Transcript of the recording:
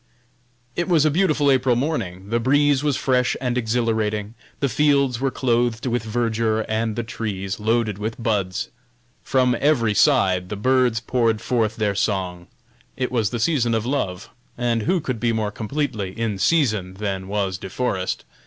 It was a beautiful April morning; the breeze was fresh and exhilarating; the fields were clothed with verdure, and the trees loaded with buds. From every side the birds poured forth their song. It was the season of love, and who could be more completely "in season" than was De Forest?